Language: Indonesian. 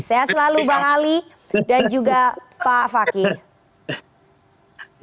sehat selalu bang ali dan juga pak fakih